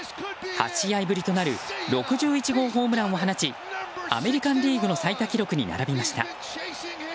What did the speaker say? ８試合ぶりとなる６１号ホームランを放ちアメリカン・リーグの最多記録に並びました。